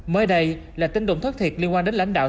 mới đây là tin đồn thất thiệt liên quan đến lãnh đạo